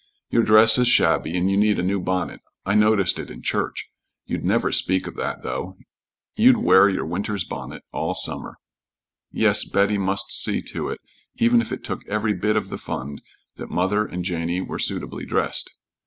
"Your dress is shabby, and you need a new bonnet; I noticed it in church, you'd never speak of that, though. You'd wear your winter's bonnet all summer." Yes, Betty must see to it, even if it took every bit of the fund, that mother and Janey were suitably dressed.